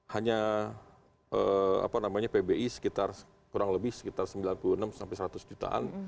hanya pbi sekitar sembilan puluh enam seratus jutaan